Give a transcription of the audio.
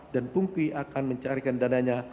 dan pungki akan mencarikan dananya